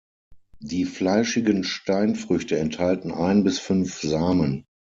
Die fleischigen Steinfrüchte enthalten ein bis fünf Samen.